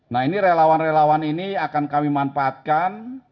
nah ini relawan relawan ini akan kami manfaatkan